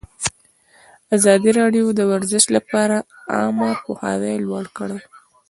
ازادي راډیو د ورزش لپاره عامه پوهاوي لوړ کړی.